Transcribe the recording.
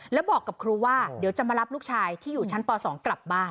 แล้วบอกกับครูว่าเดี๋ยวจะมารับลูกชายที่อยู่ชั้นป๒กลับบ้าน